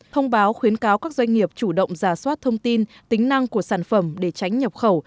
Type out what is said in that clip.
thông báo khuyến cáo các doanh nghiệp chủ động giả soát thông tin tính năng của sản phẩm để tránh nhập khẩu